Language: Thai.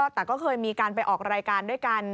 แต่ก็เคยมีการไปออกรายการด้วยกัน